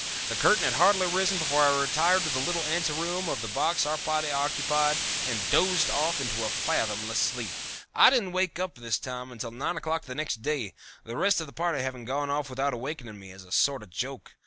The curtain had hardly risen before I retired to the little ante room of the box our party occupied and dozed off into a fathomless sleep. I didn't wake up this time until nine o'clock the next day, the rest of the party having gone off without awakening me, as a sort of joke.